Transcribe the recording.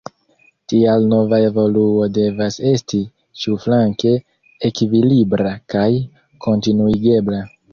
Tial nova evoluo devas esti ĉiuflanke ekvilibra kaj kontinuigebla.